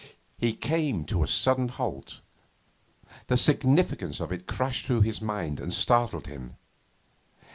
He came to a sudden halt. The significance of it crashed through his mind and startled him.